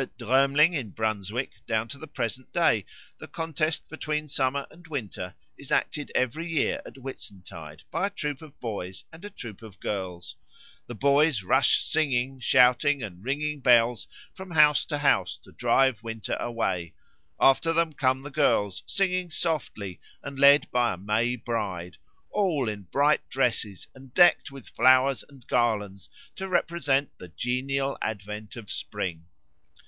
At Drömling in Brunswick, down to the present time, the contest between Summer and Winter is acted every year at Whitsuntide by a troop of boys and a troop of girls. The boys rush singing, shouting, and ringing bells from house to house to drive Winter away; after them come the girls singing softly and led by a May Bride, all in bright dresses and decked with flowers and garlands to represent the genial advent of spring.